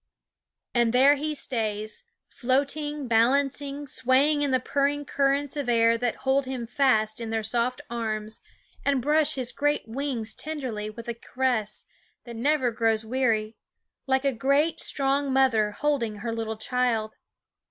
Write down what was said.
And there he stays, floating, balan cing, swaying in the purring currents of air that hold him fast in their soft arms and brush his great wings tenderly with a caress that never grows weary, like a great, strong mother holding her little child.